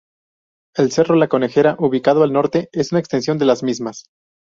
El Cerro La Conejera ubicado al norte, es una extensión de las mismas.